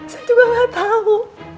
saya juga gak tau